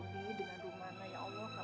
dutuk si robi dengan rumana ya allah